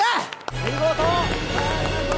見事。